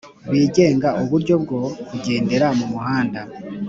bigenga uburyo bwo kugendera mu muhanda